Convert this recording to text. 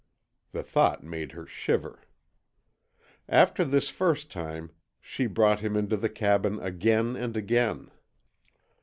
The thought made her shiver. After this first time she brought him into the cabin again and again.